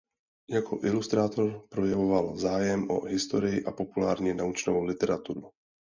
Jako ilustrátor projevoval zájem o historii a populárně naučnou literaturu.